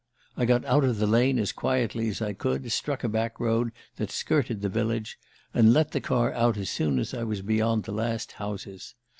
I got out of the lane as quietly as I could, struck a back road that skirted the village, and let the car out as soon as I was beyond the last houses.